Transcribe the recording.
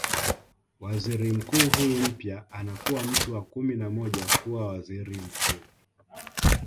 Waziri mkuu huyu mpya anakuwa mtu wa kumi na moja kuwa Waziri Mkuu